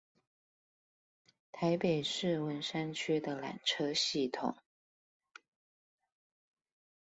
台北市文山區的纜車系統